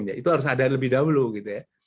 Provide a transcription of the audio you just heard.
ya itu harus ada lebih dahulu gitu ya